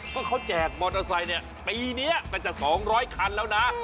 เพราะเขาแจกมอเตอร์ไซค์เนี่ยปีนี้ก็จะ๒๐๐คันแล้วนะ